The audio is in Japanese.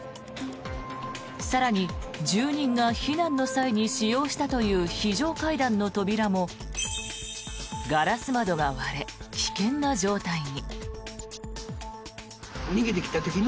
更に、住人が避難の際に使用したという非常階段の扉もガラス窓が割れ、危険な状態に。